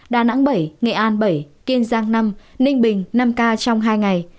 đà nẵng bảy nghệ an bảy kiên giang năm ninh bình năm ca trong hai ngày